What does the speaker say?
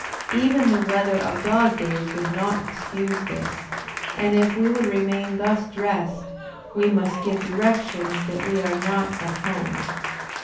Even the weather of dog days would not excuse this; and if we would remain thus dressed, we must give directions that we are not at home.